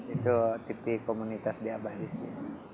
itu tv komunitas di abah di sini